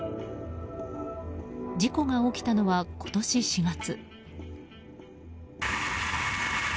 事故が起きたのは今年４月。